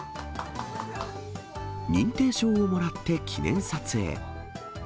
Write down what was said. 認定証をもらって記念撮影。